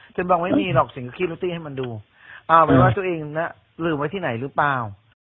ฉันบอกว่าไม่มีหรอกฉันก็คลิปให้มันดูเอาไปว่าตัวเองน่ะลืมไว้ที่ไหนหรือเปล่า